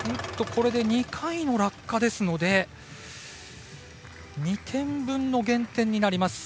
これで２回の落下ですので２点分の減点になります。